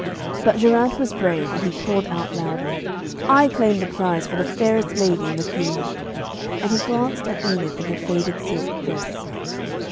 But Geraint was brave, and he called out loudly, 'I claim the prize for the fairest lady in the field.' And he glanced at Enid in her faded silk dress.